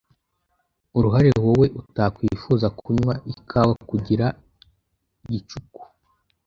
I uruhare wowe utakwifuza kunywa ikawa kugira gicuku.